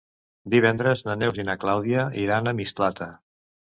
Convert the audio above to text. Divendres na Neus i na Clàudia iran a Mislata.